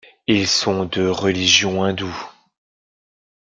Ils sont de religion hindoue.